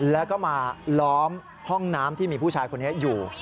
แล้วก็มาล้อมห้องน้ำที่มีผู้ชายคนนี้อยู่